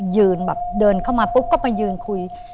ยืนแบบเดินเข้ามาปุ๊บก็ไปยืนคุย